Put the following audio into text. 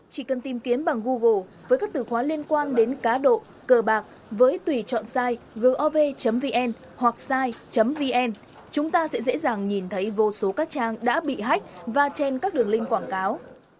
chỉ cần tìm kiếm bằng google với các từ khóa liên quan đến cá độ cờ bạc với tùy chọn sai gov vn hoặc side vn chúng ta sẽ dễ dàng nhìn thấy vô số các trang đã bị hách và trên các đường link quảng cáo